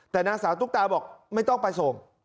แต่นางสาวตุ๊กตาบอกไม่ต้องไปส่ง